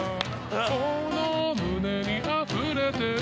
この胸にあふれてる